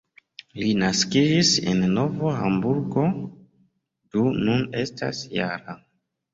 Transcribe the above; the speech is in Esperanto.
Li naskiĝis en Novo Hamburgo, do nun estas -jara.